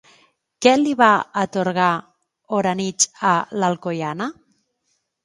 Què li va atorgar Oranich a l'alcoiana?